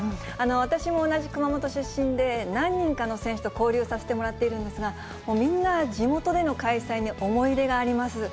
私も同じ熊本出身で、何人かの選手と交流させてもらっているんですが、みんな、地元での開催に思い入れがあります。